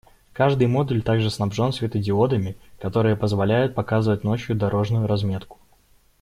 Каждый модуль также снабжен светодиодами, которые позволяют «показывать» ночью дорожную разметку.